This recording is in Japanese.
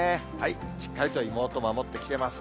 しっかりと妹守って来てます。